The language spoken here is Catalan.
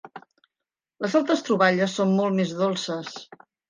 Les altres troballes són molt més dolces.